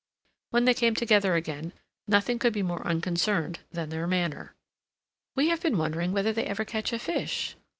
When they came together again nothing could be more unconcerned than their manner. "We have been wondering whether they ever catch a fish..."